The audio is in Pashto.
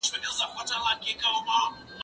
زه اجازه لرم چي کتابتون پاک کړم!.